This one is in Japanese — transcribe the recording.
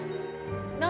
何？